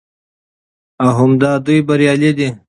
او همدا دوى بريالي دي